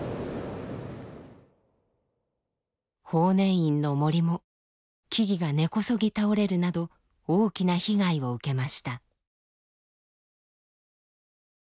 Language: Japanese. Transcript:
法然院の森も木々が根こそぎ倒れるなど大きな被害を受けました。